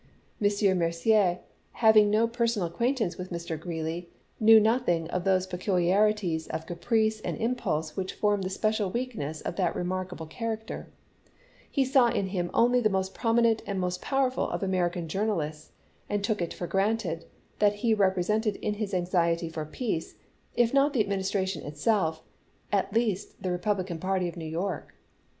M. Mercier, hav ing no personal acquaintance with Mr. Greeley, knew nothing of those peculiarities of caprice and impulse which formed the special weakness of that remarkable character; he saw in him only the most prominent and most powerful of American journalists, and took it for gi'anted that he repre sented in his anxiety for peace, if not the Admin istration itself, at least the Republican party of New York.